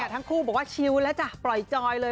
แต่ทั้งคู่บอกว่าชิวแล้วจ้ะปล่อยจอยเลย